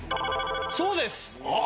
そうです！